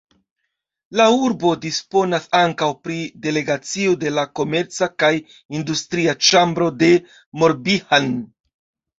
La urbo disponas ankaŭ pri delegacio de la komerca kaj industria ĉambro de Morbihan.